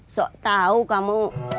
sok tau kamu